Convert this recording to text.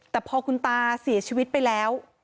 แต่พอคุณตาเสียชีวิตไปแล้ว